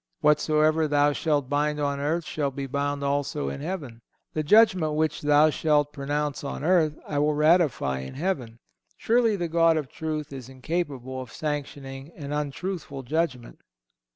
"Whatsoever thou shalt bind on earth shall be bound also in Heaven."(178) The judgment which thou shalt pronounce on earth I will ratify in heaven. Surely the God of Truth is incapable of sanctioning an untruthful judgment.